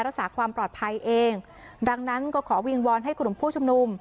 รักษาความปลอดภัยเองดังนั้นก็ขอวิงวอนให้กลุ่มผู้ชุมนุม